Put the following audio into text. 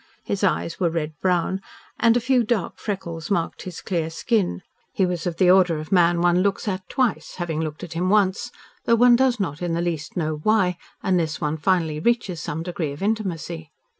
His eyes were red brown, and a few dark freckles marked his clear skin. He was of the order of man one looks at twice, having looked at him once, though one does not in the least know why, unless one finally reaches some degree of intimacy.